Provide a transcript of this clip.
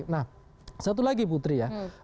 nah satu lagi putri ya